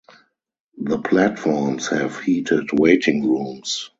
The platforms have heated waiting rooms.